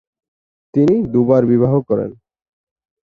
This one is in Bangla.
তিনি দু-বার বিবাহ করেন।